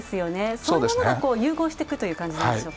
そういうものが融合していくというものなんでしょうか？